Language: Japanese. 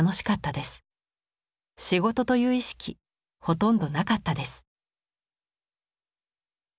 仕事という意識ほとんどなかったです」。